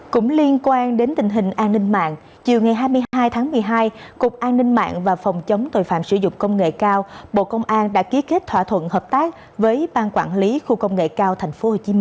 cũng liên quan đến tình hình an ninh mạng chiều ngày hai mươi hai tháng một mươi hai cục an ninh mạng và phòng chống tội phạm sử dụng công nghệ cao bộ công an đã ký kết thỏa thuận hợp tác với ban quản lý khu công nghệ cao tp hcm